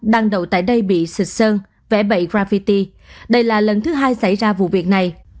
đang đậu tại đây bị xịt sơn vẽ bậy rafity đây là lần thứ hai xảy ra vụ việc này